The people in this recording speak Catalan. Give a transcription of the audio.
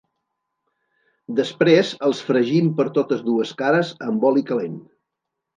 Després els fregim per totes dues cares amb oli calent.